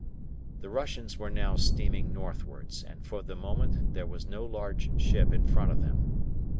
The Russians were now steering northwards, and for the moment there was no large ship in front of them.